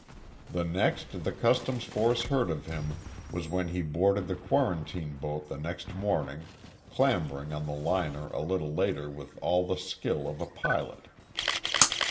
The next the customs force heard of him was when he boarded the quarantine boat the next morning, clambering on the liner a little later with all the skill of a pilot.